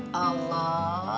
ibu kira mikirin apa tau